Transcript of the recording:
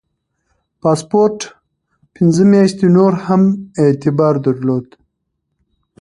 پاسپورت پنځه میاشتې نور هم اعتبار درلود.